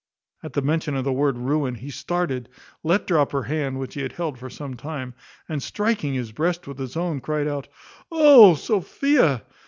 At the mention of the word ruin, he started, let drop her hand, which he had held for some time, and striking his breast with his own, cried out, "Oh, Sophia!